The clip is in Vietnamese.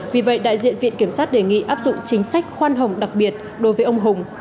vì vậy đại diện viện kiểm sát đề nghị áp dụng chính sách khoan hồng đặc biệt đối với ông hùng